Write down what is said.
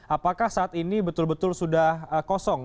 apakah saat ini betul betul sudah kosong